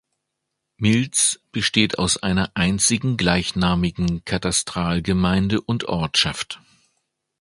Mils besteht aus einer einzigen gleichnamigen Katastralgemeinde und Ortschaft.